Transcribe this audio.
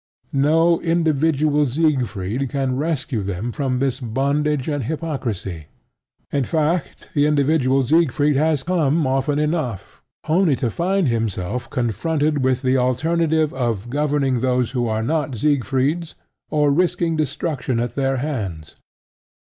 No individual Siegfried can rescue them from this bondage and hypocrisy; in fact, the individual Siegfried has come often enough, only to find himself confronted with the alternative of governing those who are not Siegfrieds or risking destruction at their hands.